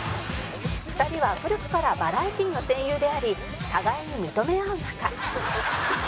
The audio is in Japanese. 「２人は古くからバラエティの戦友であり互いに認め合う仲」